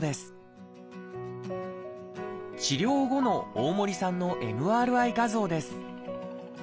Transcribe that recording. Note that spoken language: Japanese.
治療後の大森さんのＭＲＩ画像です。